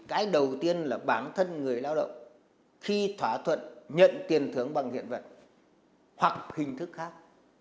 cái đầu tiên là bản thân người lao động khi thỏa thuận nhận tiền thưởng bằng hiện vật hoặc hình thức khác